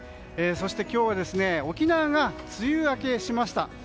そして今日は沖縄が梅雨明けしました。